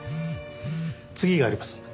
次がありますので。